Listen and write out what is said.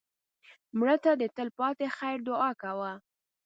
مړه ته د تل پاتې خیر دعا کوه